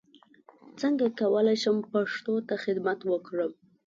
څنګه کولای شم پښتو ته خدمت وکړم